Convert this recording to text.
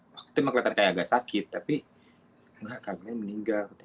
waktu itu emang kelihatan kayak agak sakit tapi enggak kak glenn meninggal